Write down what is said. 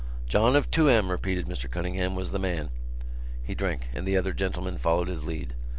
"John of Tuam," repeated Mr Cunningham, "was the man." He drank and the other gentlemen followed his lead.